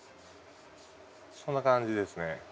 そんな感じですね。